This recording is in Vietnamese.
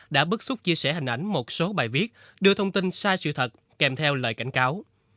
đã bức xúc chia sẻ hình ảnh một số bài viết đưa thông tin sai sự thật kèm theo lời cảnh cáo